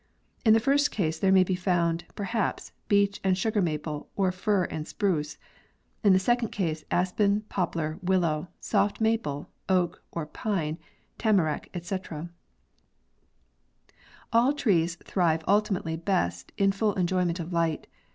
In the first case there may be found, perhaps, beech and sugar maple or fir and spruce; in the second case aspen, poplar, wil low, soft maple, oak or pine, tamarack, ete. All trees thrive ultimately best in full enjoyment of light.